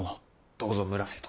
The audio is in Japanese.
どうぞ村瀬と。